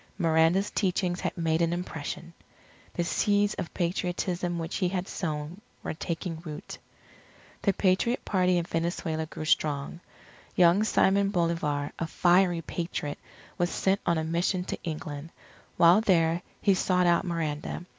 Miranda's teachings had made an impression. The seeds of Patriotism which he had sown were taking root. The Patriot Party in Venezuela grew strong. Young Simon Bolivar, a fiery Patriot, was sent on a mission to England. While there, he sought out Miranda.